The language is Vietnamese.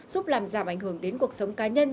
giúp làm giảm ảnh hưởng đến cuộc sống cá nhân